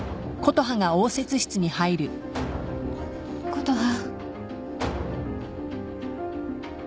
琴葉。